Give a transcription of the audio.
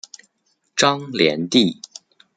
张联第。